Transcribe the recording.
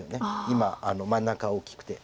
今真ん中大きくて。